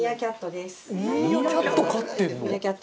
「ミーアキャット飼ってんの？」